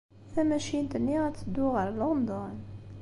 Tamacint-nni ad teddu ɣer London.